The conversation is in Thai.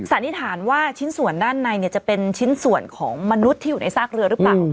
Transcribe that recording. สันนิษฐานว่าชิ้นส่วนด้านในจะเป็นชิ้นส่วนของมนุษย์ที่อยู่ในซากเรือหรือเปล่า